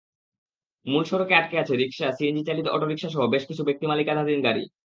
মূল সড়কে আটকে আছে রিকশা, সিএনজিচালিত অটোরিকশাসহ বেশ কিছু ব্যক্তিমালিকানাধীন গাড়ি।